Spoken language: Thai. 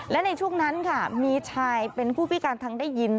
และในช่วงนั้นค่ะมีชายเป็นผู้พิการทางได้ยิน